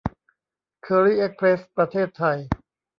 เคอรี่ เอ็กซ์เพรส ประเทศไทย